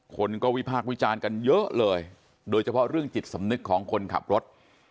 คนก็วิพากษ์วิจารณ์กันเยอะเลยโดยเฉพาะเรื่องจิตสำนึกของคนขับรถ